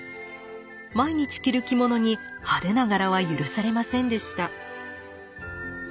毎日着る着物に派手な柄は許されませんでした。